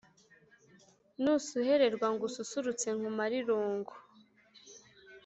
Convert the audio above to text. Nusuhererwa ngususurutse nkumare irungu